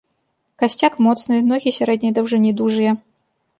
Касцяк моцны, ногі сярэдняй даўжыні, дужыя.